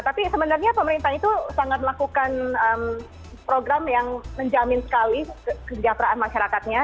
tapi sebenarnya pemerintah itu sangat melakukan program yang menjamin sekali kesejahteraan masyarakatnya